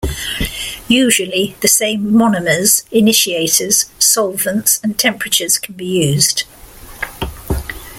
Usually the same monomers, initiators, solvents and temperatures can be used.